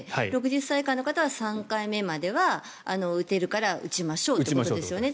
６０歳以下の方は３回目までは打てるから打ちましょうということですよね。